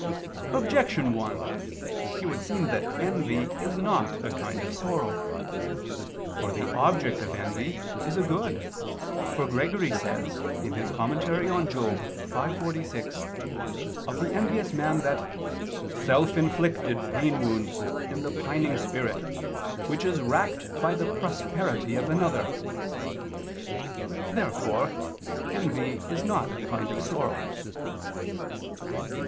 Objection 1: It would seem that envy is not a kind of sorrow. For the object of envy is a good, for Gregory says (Moral. v, 46) of the envious man that "self inflicted pain wounds the pining spirit, which is racked by the prosperity of another." Therefore envy is not a kind of sorrow.